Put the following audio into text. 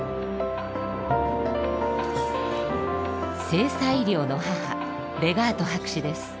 性差医療の母レガート博士です。